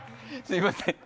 すみません